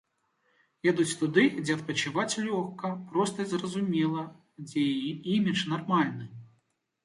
Едуць туды, дзе адпачываць лёгка, проста і зразумела, дзе імідж нармальны.